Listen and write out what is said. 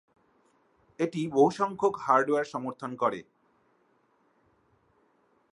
এটি বহুসংখ্যক হার্ডওয়্যার সমর্থন করে।